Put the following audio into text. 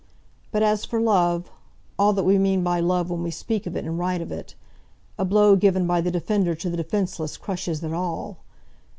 But as for love, all that we mean by love when we speak of it and write of it, a blow given by the defender to the defenceless crushes it all!